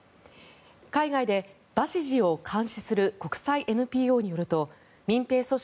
海外でバシジを監視する国際ＮＰＯによると民兵組織